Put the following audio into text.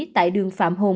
tại đường phạm hùng